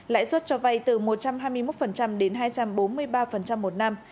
lãi suất cho vay từ một trăm hai mươi một đến hai trăm bốn mươi ba một năm